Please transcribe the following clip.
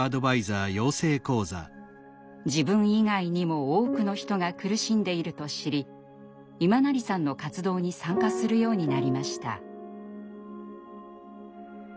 自分以外にも多くの人が苦しんでいると知り今成さんの活動に参加するようになりました。